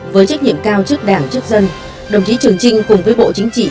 với trách nhiệm cao trước đảng trước dân đồng chí trường trinh cùng với bộ chính trị